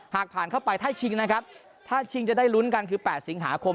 หากผ่านเข้าไปถ้าชิงนะครับถ้าชิงจะได้ลุ้นกันคือ๘สิงหาคม